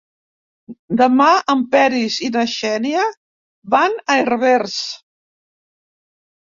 Demà en Peris i na Xènia van a Herbers.